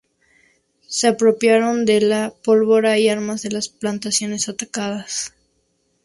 Se apropiaron de la pólvora y armas de las plantaciones atacadas.